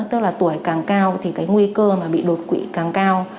tức là tuổi càng cao thì nguy cơ bị đột quỵ càng cao